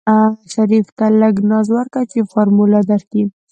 شريف ته لږ ناز ورکه چې فارموله درکي.